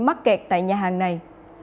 mắc kẹt tại nhà hàng này